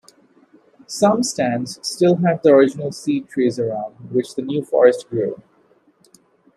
Some stands still have their original seed trees around which the new forest grew.